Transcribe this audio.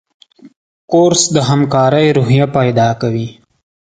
کورس د همکارۍ روحیه پیدا کوي.